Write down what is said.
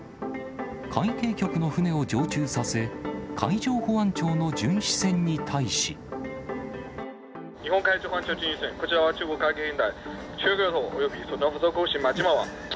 海警局の船を常駐させ、海上保安庁の巡視船に対し。日本海上保安庁巡視船、こちらは中国海警局。